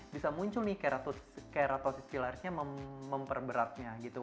bisa muncul nih keratosis pilarisnya memperberatnya gitu